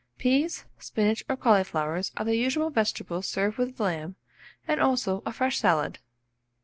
Peas, spinach, or cauliflowers are the usual vegetables served with lamb, and also a fresh salad.